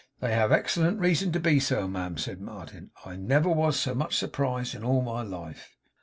'They have excellent reason to be so, ma'am,' said Martin. 'I never was so much surprised in all my life.